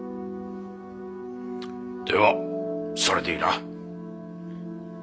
ではそれでいいな？